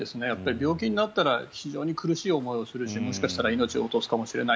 病気になったら非常に苦しい思いをするしもしかしたら命を落とすかもしれない。